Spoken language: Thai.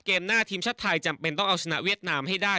หน้าทีมชาติไทยจำเป็นต้องเอาชนะเวียดนามให้ได้